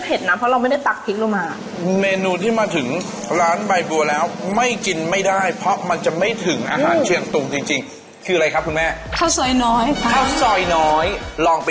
เป็นปลายัดไส้ทอดแล้วก็แกงไก่ค่ะ